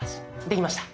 できました。